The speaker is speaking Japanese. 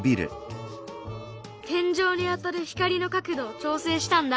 天井に当たる光の角度を調整したんだ。